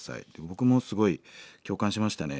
僕もすごい共感しましたね。